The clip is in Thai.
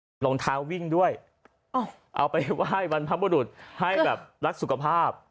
โอเคมั้ยลองเท้าวิ่งด้วยเอาไปไหว้บันพบฤตภิกษ์ให้แบบรักสุขภาพ